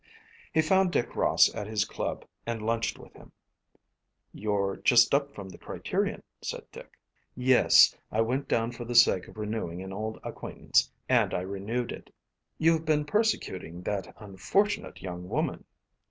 He found Dick Ross at his club and lunched with him. "You're just up from the Criterion," said Dick. "Yes; I went down for the sake of renewing an old acquaintance, and I renewed it." "You've been persecuting that unfortunate young woman."